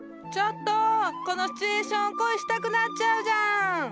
ちょっとこのシチュエーション恋したくなっちゃうじゃん。